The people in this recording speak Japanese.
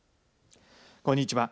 こんにちは。